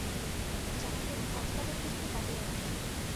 যেমন ধরুন, কক্সবাজারে কিছুদিন কাটিয়ে এলাম।